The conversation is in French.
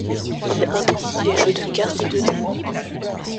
Il interdit les jeux de cartes et de dés.